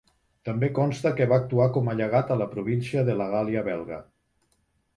També consta que va actuar com a llegat a la província de la Gàl·lia Belga.